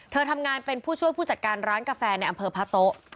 ทำงานเป็นผู้ช่วยผู้จัดการร้านกาแฟในอำเภอพะโต๊ะ